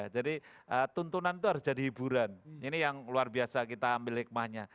jadi tuntunan itu harus jadi hiburan ini yang luar biasa kita ambil hikmahnya